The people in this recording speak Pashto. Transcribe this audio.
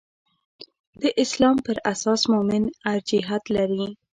د اسلام پر اساس مومن ارجحیت لري.